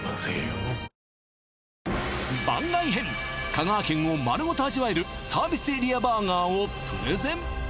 香川県を丸ごと味わえるサービスエリアバーガーをプレゼン